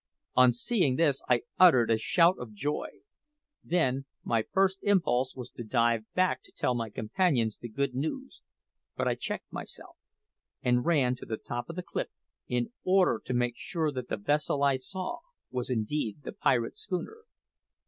On seeing this I uttered a shout of joy. Then my first impulse was to dive back to tell my companions the good news; but I checked myself, and ran to the top of the cliff in order to make sure that the vessel I saw was indeed the pirate schooner.